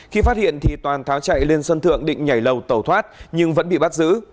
khi phát hiện thì toàn tháo chạy lên sân thượng định nhảy lầu tẩu thoát nhưng vẫn bị bắt giữ